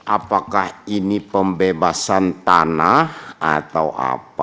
apakah ini pembebasan tanah atau apa